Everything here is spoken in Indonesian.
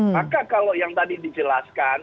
maka kalau yang tadi dijelaskan